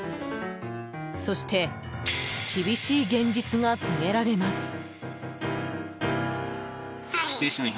そして厳しい現実が告げられます。